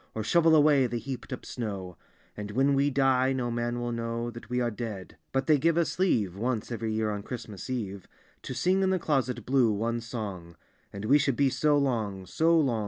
Or shovel away the hcap'd up snow; And when we die no man will know That we are dead ; but they give us leave, Once every year on Christmas eve, To sing in the Closet Blue one song: And wc should be so long, so long.